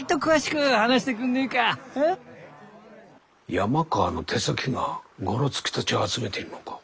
山川の手先がゴロツキたちを集めているのか。